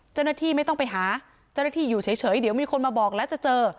เจ้าหน้าที่ไม่ต้องไปหาเจ้าหน้าที่อยู่เฉยเดี๋ยวมีคนมาบอกแล้วจะเจอ